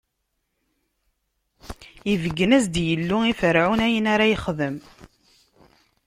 Ibeggen-as-d Yillu i Ferɛun, ayen ara yexdem.